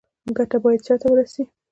ګټه باید چا ته ورسي؟